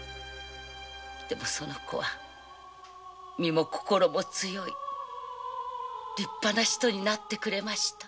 でもその子は身も心も強い立派な人になってくれました。